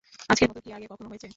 আজকের মত কি আগে কখনো হয়েছে?